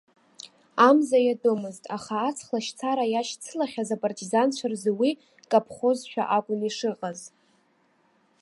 Амза иатәымызт, аха аҵх лашьцара иашьцылахьаз апартизанцәа рзы уи каԥхозшәа акәын ишыҟаз.